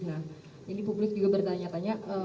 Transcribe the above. nah ini publik juga bertanya tanya